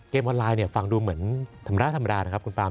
เกมออนไลน์ฟังดูเหมือนธรรมดาธรรมดานะครับคุณปาล์ม